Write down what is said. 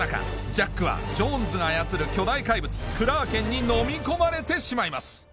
ジャックはジョーンズが操る巨大怪物クラーケンにのみ込まれてしまいます